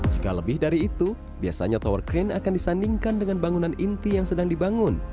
jika lebih dari itu biasanya tower crane akan disandingkan dengan bangunan inti yang sedang dibangun